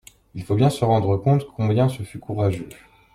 Il faut bien se rendre compte combien ce fut courageux.